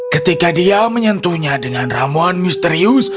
ketika dia menyentuhnya dengan ramuan misterius